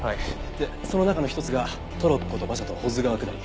でその中の１つがトロッコと馬車と保津川下り。